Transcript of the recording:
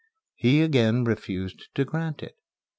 He again refused to grant it.